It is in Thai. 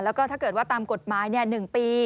แล้วก็ถ้าเกิดว่าตามกฎหมาย๑ปี